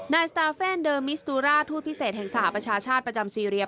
สตาเฟนเดอร์มิสตูร่าทูตพิเศษแห่งสหประชาชาติประจำซีเรีย